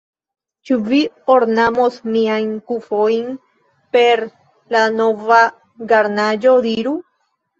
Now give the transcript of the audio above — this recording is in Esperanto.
Ĉu vi ornamos miajn kufojn per la nova garnaĵo, diru?